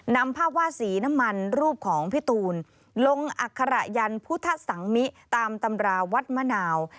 นำภาพวาดสีน้ำมันรูปของพี่ตูนลงอัคระยันพุทธสังมิตามตำราวัดมะนาว